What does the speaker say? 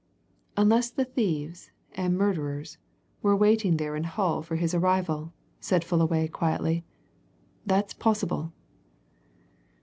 "Unless the thieves and murderers were waiting there in Hull for his arrival," said Fullaway quietly. "That's possible!"